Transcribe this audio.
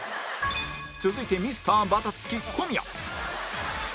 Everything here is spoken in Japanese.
続いてミスターバタつき小宮